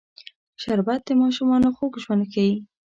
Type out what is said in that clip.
شربت د ماشومانو خوږ ژوند ښيي